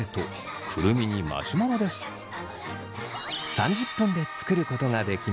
３０分で作ることができます。